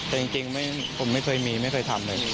แต่จริงผมไม่เคยมีไม่เคยทำเลย